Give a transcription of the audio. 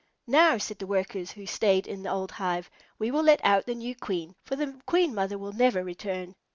"Now," said the Workers who had stayed in the old hive, "we will let out the new Queen, for the Queen Mother will never return."